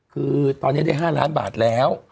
คือตอนนี้ได้๕ล้านบาทแล้ว